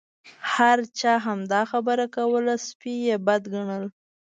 هر چا همدا خبره کوله سپي یې بد ګڼل.